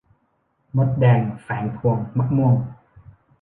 มดแดงแฝงพวงมะม่วง